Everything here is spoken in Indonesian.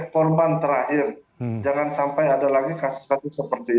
korban terakhir jangan sampai ada lagi kasus kasus seperti ini